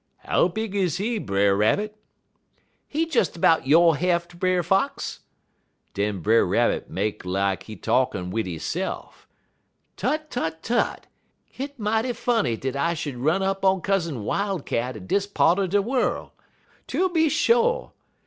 "'How big is he, Brer Rabbit?' "'He des 'bout yo' heft, Brer Fox.' Den Brer Rabbit make lak he talkin' wid hisse'f. 'Tut, tut, tut! Hit mighty funny dat I should run up on Cousin Wildcat in dis part er de worl'. Tooby sho', tooby sho'!